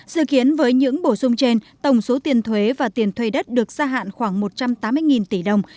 dự kiến với những bổ sung trên tổng số tiền thuế và tiền thuê đất được gia hạn khoảng một trăm tám mươi tỷ đồng